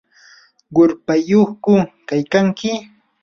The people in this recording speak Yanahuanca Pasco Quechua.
¿qurpayyuqku kaykanki?